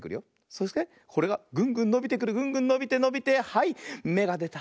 そしてこれがグングンのびてくるグングンのびてのびてはいめがでた！